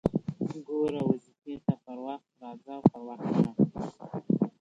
ګوره! واظيفې ته پر وخت راځه او پر وخت ځه!